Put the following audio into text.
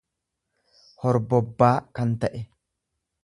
horbobbaa kan ta'e.